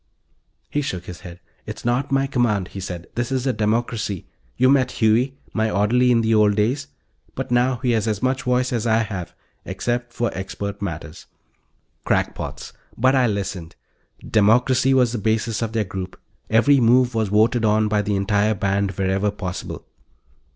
He shook his head. "It's not my command," he said. "This is a democracy. You've met Huey ... my orderly, in the old days. But now he has as much voice as I have. Except for expert matters." Crackpots. But I listened. Democracy was the basis of their group; every move was voted on by the entire band, wherever possible.